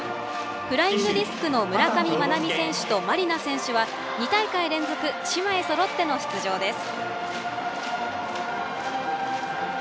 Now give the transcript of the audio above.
フライングディスクの村上茉奈美選手と麻莉奈選手は２大会連続姉妹そろっての出場です。